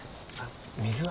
水は？